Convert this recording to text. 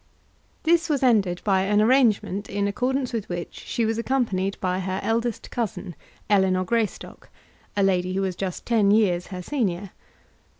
This was ended by an arrangement, in accordance with which she was accompanied by her eldest cousin, Ellinor Greystock, a lady who was just ten years her senior.